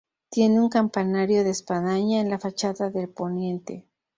Tiene un campanario de espadaña en la fachada de poniente.